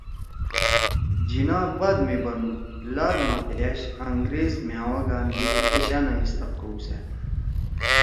جناح بعد می بنُو ”لات ما پأش أنگریز مھأ او گاندھی ایشانا حساب کؤسأد